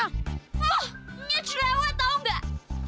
oh nyacu lewat tau gak